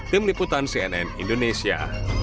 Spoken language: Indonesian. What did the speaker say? tim liputan cnn indonesia